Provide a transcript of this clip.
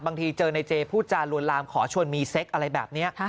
บางทีเจอในเจพูดจารวนลามขอชวนมีเซ็กอะไรแบบนี้